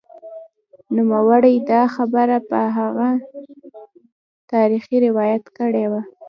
نوموړي دا خبره پر هغه تاریخي روایت کړې وه